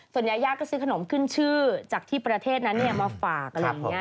ส่วนยายาก็ซื้อขนมขึ้นชื่อจากที่ประเทศนั้นมาฝากอะไรอย่างนี้